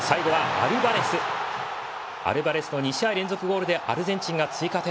アルバレスの２試合連続ゴールでアルゼンチンが追加点。